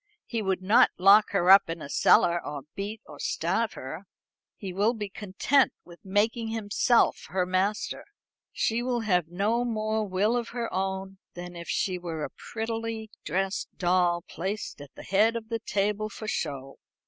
He would not lock her up in a cellar, or beat, or starve her. He will be content with making himself her master. She will have no more will of her own than if she were a prettily dressed doll placed at the head of the table for show.